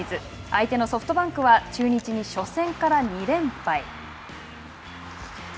相手のソフトバンクは中日に初戦から２連敗。